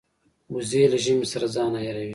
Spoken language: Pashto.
وزې له ژمې سره ځان عیاروي